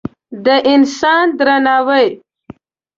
د انسان درناوی